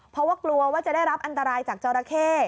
เพราะว่ากลัวว่าจะได้รับอันตรายจากจอราเข้